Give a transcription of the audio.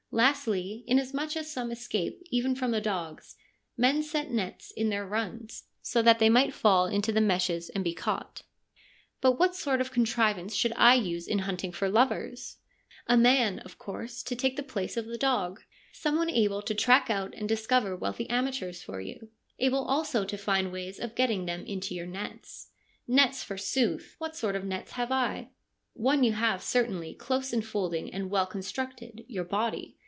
Lastly, inasmuch as some escape even from the dogs, men set nets in their runs, so that they may fall into the meshes and be caught.' ' But what sort of contrivance should I use in hunting for lovers ?'' A man, of course, to take the place of the dog ; some one able to track out and discover wealthy amateurs for you ; able also to find ways of getting them into your nets.' 1 Nets, forsooth ! What sort of nets have I ?' One you have certainly, close enfolding and well constructed, your body.